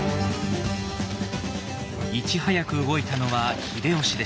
いち早く動いたのは秀吉でした。